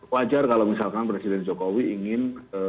wajar kalau misalkan presiden jokowi ingin